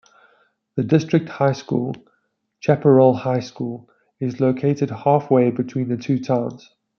The district high school, Chaparral High School, is located halfway between the two towns.